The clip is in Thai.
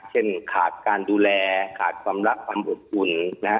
เช่นขาดการดูแลขาดความรักความอบอุ่น